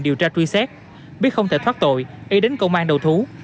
điều tra truy xét biết không thể thoát tội y đến công an đầu thú